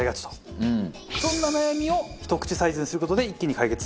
そんな悩みをひと口サイズにする事で一気に解決。